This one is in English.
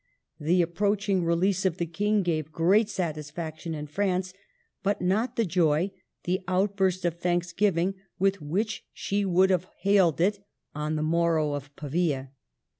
The ap proaching release of the King gave great satis faction in France, but not the joy, the outburst of thanksgiving with which she would have hailed it on the morrow of Pavia.